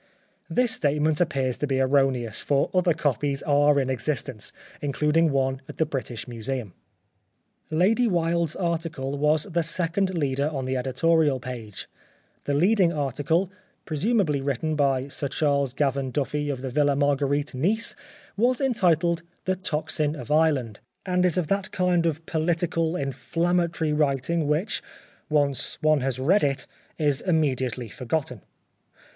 This statement appears to be erroneous, for other copies are in existence, including one at the British Museum. Lady Wilde's article was the second leader on the editorial page. The leading article, pre sumably written by Sir Charles Gavan Duffy of the Villa Marguerite, Nice, was entitled '' The Tocsin of Ireland," and is of that kind of politi D 49 The Life of Oscar Wilde cal, inflammatory writing which, once one has read it, is immediately forgotten.